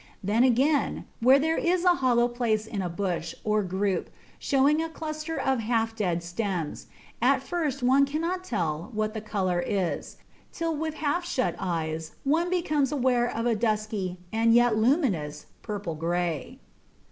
Then, again, where there is a hollow place in a bush, or group, showing a cluster of half dead stems, at first one cannot tell what the colour is, till with half shut eyes one becomes aware of a dusky and yet luminous purple grey.